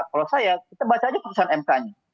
kalau saya kita baca aja putusan mk nya